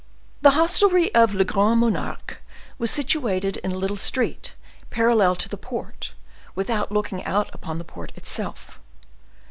The hostelry of "Le Grand Monarque" was situated in a little street parallel to the port without looking out upon the port itself.